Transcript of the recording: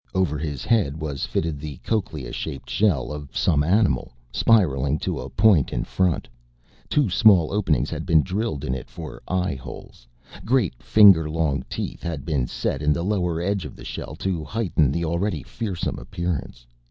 Over his head was fitted the cochlea shaped shell of some animal, spiraling to a point in front: two small openings had been drilled in it for eye holes. Great, finger long teeth had been set in the lower edge of the shell to heighten the already fearsome appearance.